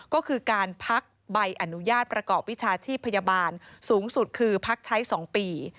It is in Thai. ก็คือการพักใบอนุญาตประกอบวิชาชีพพยาบาลสูงสุดคือพักใช้๒ปี